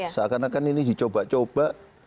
seakan akan ini dicoba coba